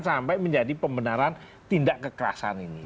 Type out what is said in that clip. sampai menjadi pembenaran tindak kekerasan ini